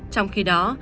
trong khi đó